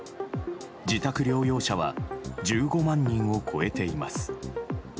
自宅療養者は１５万人を超えています。